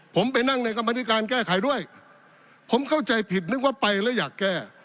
ผมไปนั่งในกรรมธิการแก้ไขด้วยผมเข้าใจผิดนึกว่าไปแล้วอยากแก้